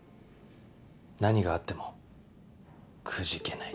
何があってもくじけない。